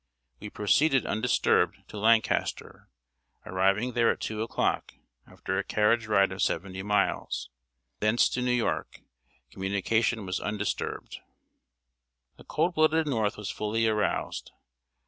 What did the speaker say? We proceeded undisturbed to Lancaster, arriving there at two o'clock, after a carriage ride of seventy miles. Thence to New York, communication was undisturbed. The cold blooded North was fully aroused.